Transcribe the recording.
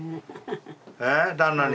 え旦那に。